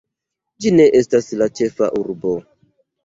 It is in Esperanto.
Ĝi ne estas la ĉefa urbo!